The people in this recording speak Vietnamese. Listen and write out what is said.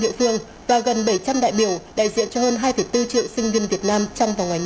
địa phương và gần bảy trăm linh đại biểu đại diện cho hơn hai bốn triệu sinh viên việt nam trong và ngoài